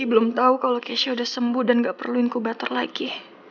ricky belum tau kalo keisha udah sembuh dan gak perluin ku batur lagi